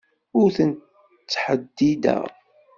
Ur tent-ttḥeddideɣ.